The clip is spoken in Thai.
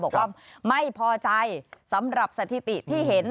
บอกว่าไม่พอใจสำหรับสถิติที่เห็น